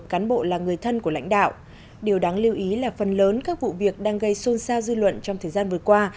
các cơ quan đang gây xôn xao dư luận trong thời gian vừa qua